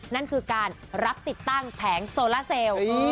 นั่นคือการรับติดตั้งแผงโซล่าเซล